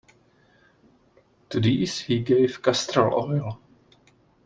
To these he gave castor oil.